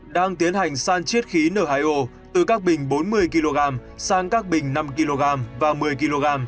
đang tiến hành san chiết khí n hai o từ các bình bốn mươi kg sang các bình năm kg và một mươi kg